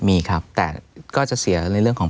มีครับแต่ก็จะเสียในเรื่องของ